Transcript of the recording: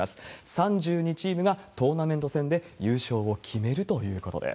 ３２チームがトーナメント戦で優勝を決めるということです。